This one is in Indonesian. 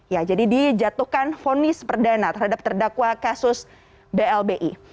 ya jadi dijatuhkan fonis perdana terhadap terdakwa kasus blbi